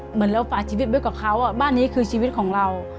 เหมือนเราฝากชีวิตไว้กับเขาบ้านนี้คือชีวิตของเรา